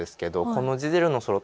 この「ジゼル」のソロ